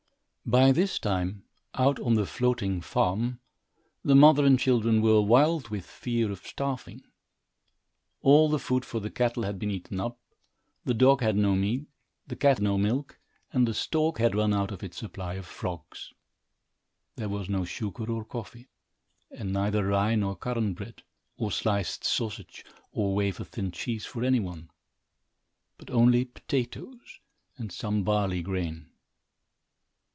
By this time, out on the floating farm, the mother and children were wild with fear of starving. All the food for the cattle had been eaten up, the dog had no meat, the cat no milk, and the stork had run out of its supply of frogs. There was no sugar or coffee, and neither rye nor currant bread, or sliced sausage or wafer thin cheese for any one; but only potatoes and some barley grain.